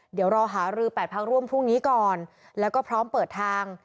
เดี๋ยวรอหารือ๘พักร่วมพรุ่งนี้ก่อนแล้วก็พร้อมเปิดทาง